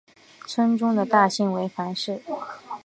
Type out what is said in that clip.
村中的大姓为樊氏。